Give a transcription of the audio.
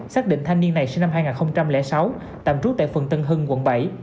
xác định thanh niên này sinh năm hai nghìn sáu tạm trú tại phường tân hưng quận bảy